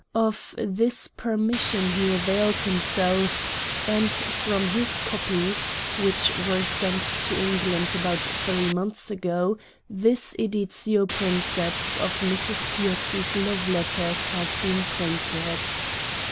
Of this per mission he availed himself; and from his copies, which were sent to England about three months ago, this edit to pri?iceps of Mrs. Piozzi's love letters has been printed.